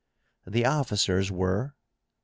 The officers were: 1.